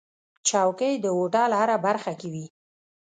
چوکۍ د هوټل هره برخه کې وي.